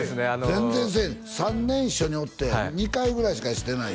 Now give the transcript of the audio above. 全然せえへん「３年一緒におって２回ぐらいしかしてない」